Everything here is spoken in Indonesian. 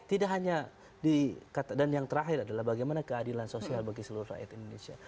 tidak hanya di dan yang terakhir adalah bagaimana keadilan sosial bagi seluruh rakyat indonesia